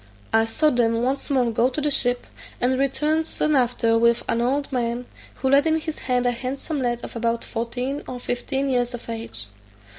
I saw them once more go to the ship, and return soon after with an old man, who led in his hand a handsome lad of about fourteen or fifteen years of age.